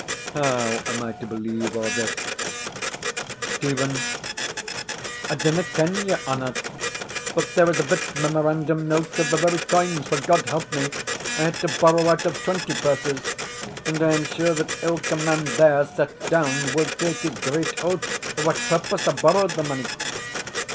How am I to believe a' this?" Stephen. I dinna ken, your honour; but there is a bit memorandum note of the very coins, for, God help me! I had to borrow out of twenty purses; and I am sure that ilka man there set down will take his grit oath for what purpose I borrowed the money.